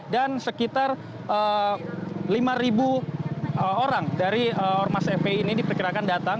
dan sekitar lima orang dari ormas fp ini diperkirakan datang